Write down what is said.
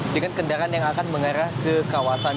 dengan kendaraan yang akan mengarah ke kawasan